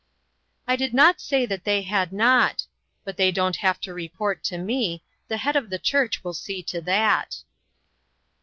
" I did not say that they had not ; but they don't have to report to me ; the Head of the Church will see to that."